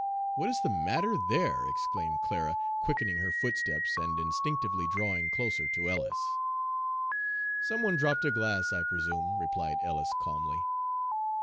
"What is the matter there?" exclaimed Clara, quickening her footsteps and instinctively drawing closer to Ellis. "Some one dropped a glass, I presume," replied Ellis calmly.